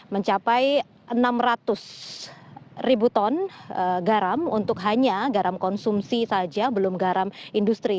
mencapai enam ratus ribu ton garam untuk hanya garam konsumsi saja belum garam industri